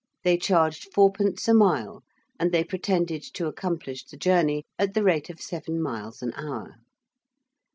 They charged fourpence a mile, and they pretended to accomplish the journey at the rate of seven miles an hour.